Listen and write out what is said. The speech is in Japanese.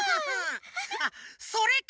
あっそれか。